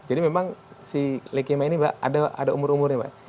jadi memang si leukemia ini mbak ada umur umurnya mbak